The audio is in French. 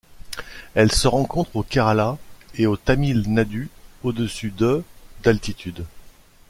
Elle se rencontre au Kerala et au Tamil Nadu au-dessus de d'altitude.